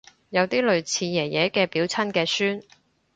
有啲類似爺爺嘅表親嘅孫